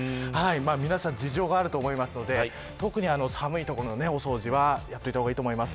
皆さん事情があると思いますので特に寒いところのお掃除はやっておいた方がいいと思います。